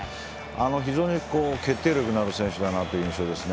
非常に決定力のある選手だなという印象ですね。